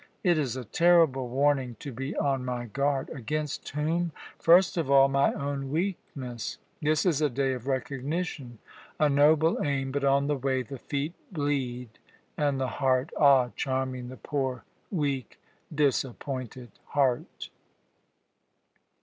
It is a terrible warning to be on my guard. Against whom? First of all, my own weakness. This is a day of recognition. A noble aim, but on the way the feet bleed, and the heart ah! Charmian, the poor, weak, disappointed heart!"